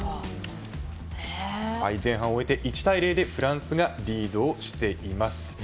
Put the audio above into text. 前半を終えて１対０でフランスがリードしています。